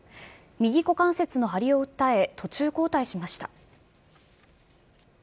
右股関節の張りを訴え、途中交代しました。